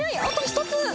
あと１つ。